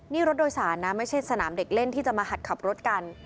นี่รถโดยสารนะไม่ใช่สนามเด็กเล่นที่จะมาหัดขับรถกัน